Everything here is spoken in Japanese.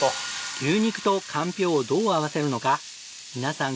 牛肉とかんぴょうをどう合わせるのか皆さん